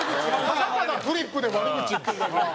ただただフリップで悪口言ってるだけ。